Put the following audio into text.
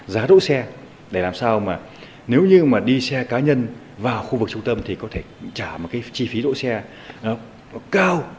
giá đỗ xe để làm sao mà nếu như mà đi xe cá nhân vào khu vực trung tâm thì có thể trả một cái chi phí đỗ xe nó cao